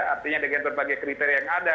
artinya dengan berbagai kriteria yang ada